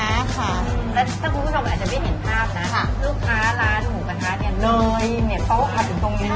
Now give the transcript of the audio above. แล้วถ้าคุณผู้ชมอาจจะไม่เห็นภาพนะค่ะลูกค้าร้านหมูกะท้าเนี่ยเลยเนี่ยเขาก็ขัดอยู่ตรงนี้อยู่